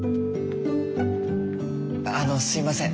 あのすみません。